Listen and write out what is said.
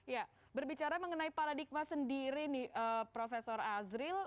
ya berbicara mengenai paradigma sendiri nih prof azril